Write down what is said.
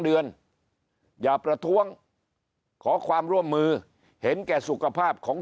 เดือนอย่าประท้วงขอความร่วมมือเห็นแก่สุขภาพของ